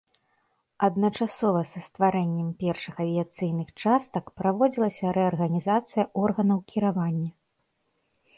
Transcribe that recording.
Адначасова са стварэннем першых авіяцыйных частак праводзілася рэарганізацыя органаў кіравання.